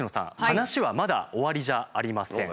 話はまだ終わりじゃありません。